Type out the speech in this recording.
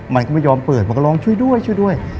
มันก็ไม่ยอมเปิดมันก็ร้องช่วยด้วยช่วยด้วย